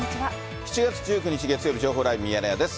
７月１９日月曜日、情報ライブミヤネ屋です。